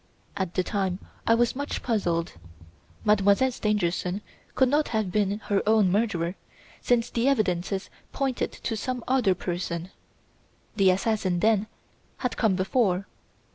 "At the time I was much puzzled. Mademoiselle Stangerson could not have been her own murderer, since the evidences pointed to some other person. The assassin, then, had come before.